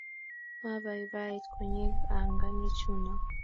Maibaibait konyek anganik chuno